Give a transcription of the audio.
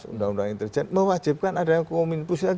undang undang intelijen mewajibkan ada komitmen pusat